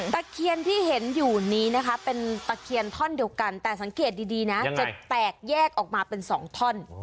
ตะเคียนที่เห็นอยู่นี้นะคะเป็นตะเคียนท่อนเดียวกันแต่สังเกตดีนะจะแตกแยกออกมาเป็น๒ท่อน